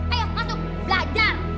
ayo masuk belajar